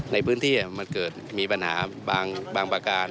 ในพื้นที่มันเกิดมีปัญหาบางประการ